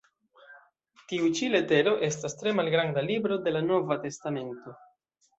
Tiu ĉi letero estas tre malgranda "libro" de la Nova testamento.